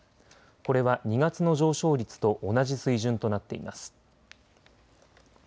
これは２月の上昇率と同じ水準となっています。